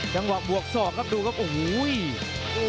เฉพาะบวกสอบครับดูครับโอ้โห